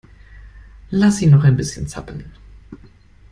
Lass sie noch ein bisschen zappeln.